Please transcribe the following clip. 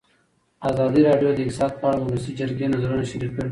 ازادي راډیو د اقتصاد په اړه د ولسي جرګې نظرونه شریک کړي.